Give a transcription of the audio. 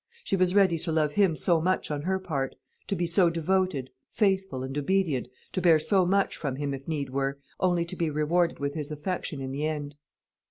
She was ready to love him so much on her part; to be so devoted, faithful, and obedient, to bear so much from him if need were, only to be rewarded with his affection in the end.